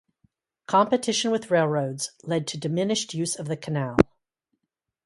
Competition with railroads led to diminished use of the canal.